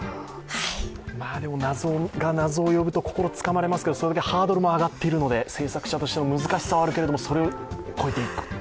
でも謎が謎を呼ぶと心つかまれますけどそれだけハードルも上がっているので、製作者としては難しくなるけれども、それを超えていく。